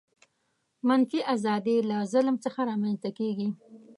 منفي آزادي له ظلم څخه رامنځته کیږي.